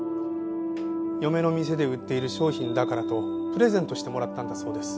嫁の店で売っている商品だからとプレゼントしてもらったんだそうです。